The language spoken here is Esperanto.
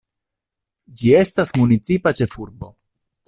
Ĝi estas municipa ĉefurbo.